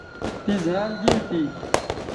تی زھینئل گی تھی